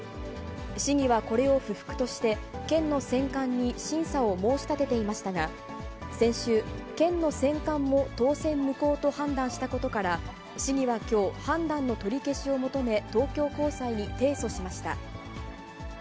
市議はこれを不服として、県の選管に審査を申し立てていましたが、先週、県の選管も当選無効と判断したことから、市議はきょう、判断の取り消しを求め、東京高裁に提訴しました。